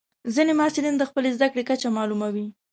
ځینې محصلین د خپلې زده کړې کچه معلوموي.